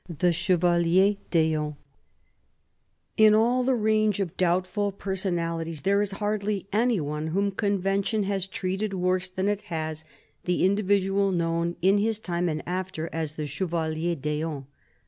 THE CHEVALIER D'EON In all the range of doubtful personalities there is hardly any one whom convention has treated worse than it has the individual known in his time and after as The Chevalier d'Eon.